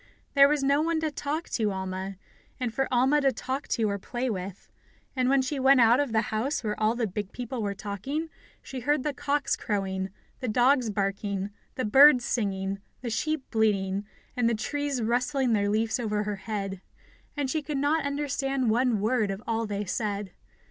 There was no one to talk to Alma and for Alma to talk to or to play with. And when she went out of the house where all the big people were talking, she heard the cocks crowing, the dogs barking, the birds singing, the sheep bleating, and the trees rustling their leaves over her head, and she could not understand one word of all they said.